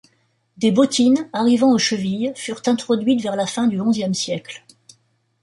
Des bottines, arrivant aux chevilles, furent introduites vers la fin du onzième siècle.